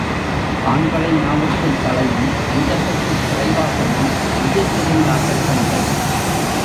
ஆண்களின் நாவுக்குத் தளையும், நெஞ்சத்துக்குச் சிறை வாசமும் விதித்திருந்தார்கள் பெண்கள்.